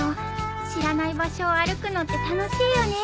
知らない場所を歩くのって楽しいよね。